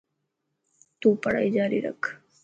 تون پڙهائي جاري رک آپري.